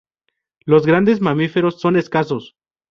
Los grandes mamíferos son escasos.